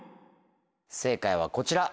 正解はこちら。